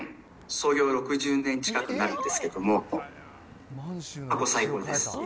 創業６０年近くなるんですけども、過去最高です。